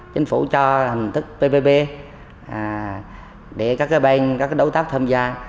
chính phủ cho hình thức ppp để các cái ban các cái đối tác tham gia